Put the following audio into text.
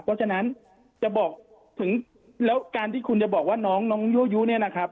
เพราะฉะนั้นจะบอกถึงแล้วการที่คุณจะบอกว่าน้องยั่วยู้เนี่ยนะครับ